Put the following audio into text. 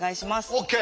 ＯＫ！